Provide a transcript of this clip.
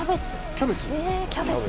キャベツ？